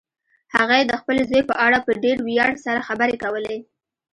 هغې د خپل زوی په اړه په ډېر ویاړ سره خبرې کولې